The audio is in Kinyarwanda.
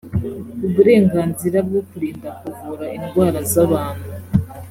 uburenganzira bwo kurinda kuvura indwara z abantu